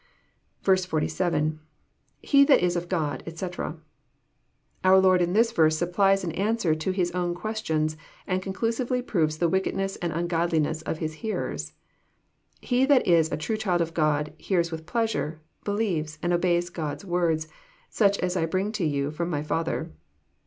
47. — \_He th(U is of God, etc.'] Onr Lord in this verse supplies an answer to His own questions, and conclusively proves the wickedness and ungodliness of His hearers. —'* He that is a true child of God hears with pleasure, believes, and obeys God's words, such as I bring to you from My Father.